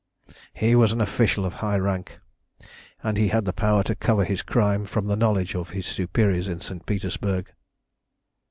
"He was an official of high rank, and he had had the power to cover his crime from the knowledge of his superiors in St. Petersburg.